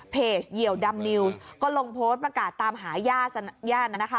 เพจเยียวดำนิวส์ก็ลงโพสต์ประกาศตามหาญาตินั้นนะคะ